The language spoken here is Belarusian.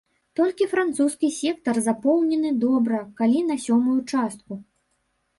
Толькі французскі сектар запоўнены добра калі на сёмую частку.